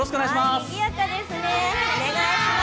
にぎやかですね、お願いします。